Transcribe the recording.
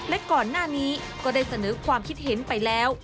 และก่อนหน้านี้ก็ได้เสนอความคิดเห็นไปแล้ว